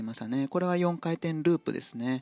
これは４回転ループですね。